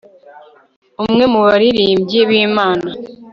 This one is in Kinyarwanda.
Umwe mu baririmbyi bImana